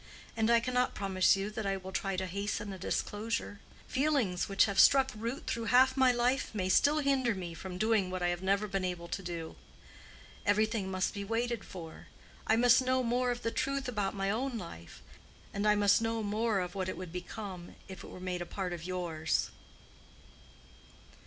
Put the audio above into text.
And I cannot promise you that I will try to hasten a disclosure. Feelings which have struck root through half my life may still hinder me from doing what I have never been able to do. Everything must be waited for. I must know more of the truth about my own life, and I must know more of what it would become if it were made a part of yours."